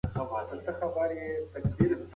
که مورنۍ ژبه قوية وي، نو په زده کړه کې خنډونه کم وي.